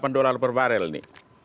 pak jokowi ini berganti ke pak jokowi